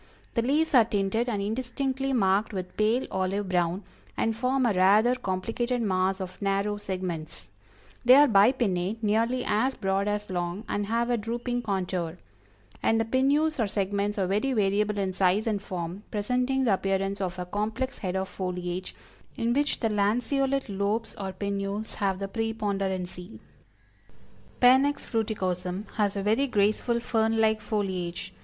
The leaves are tinted and indistinctly marked with pale olive brown, and form a rather complicated mass of narrow segments; they are bipinnate, nearly as broad as long, and have a drooping contour; and the pinnules or segments are very variable in size and form, presenting the appearance of a complex head of foliage in which the lanceolate lobes or pinnules have the preponderancy." Panax Fruiticosm has a very graceful fern like foliage.